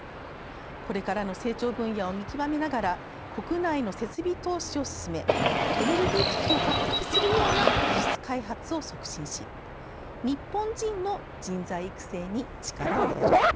これからの成長分野を見極めながら国内の設備投資を進めエネルギー危機を克服するような技術開発を促進し日本人の人材育成に力を入れる。